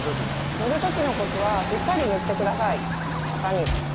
塗る時のコツはしっかり塗ってください型に。